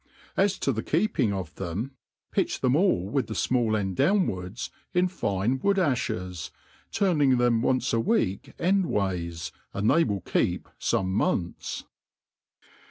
As to the keeping of them, pitch them all with the fmall end downwards in fine wck)d afhes, turning them once' a week end ways, and they will keep fome months.